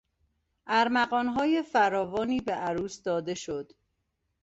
ارمغانهای فراوانی به عروس داده شد.